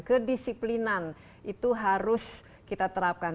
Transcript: kedisiplinan itu harus kita terapkan